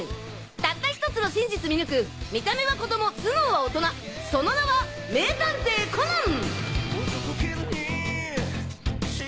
たった１つの真実見抜く見た目は子供頭脳は大人その名は名探偵コナン！